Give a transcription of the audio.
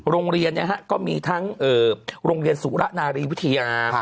โรงเรียนก็มีทั้งโรงเรียนสุระนารีวิทยา